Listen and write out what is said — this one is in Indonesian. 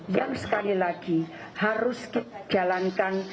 yang sekali lagi harus kita jalankan